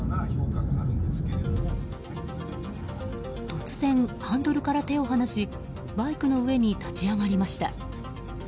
突然、ハンドルから手を放しバイクの上に立ち上がりました。